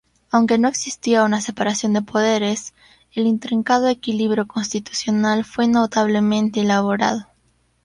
Aunque no existía una separación de poderes, el intrincado equilibrio constitucional fue notablemente elaborado.